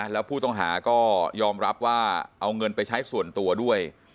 แล้วผู้ต้องหาก็ยอมรับว่าเอาเงินไปใช้ส่วนตัวด้วย